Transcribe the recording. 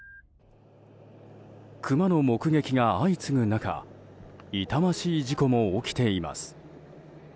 クマの目撃が相次ぐ中痛ましい事故も起きています。